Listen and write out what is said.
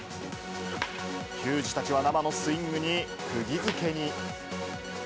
球児たちは生のスイングにくぎづけに。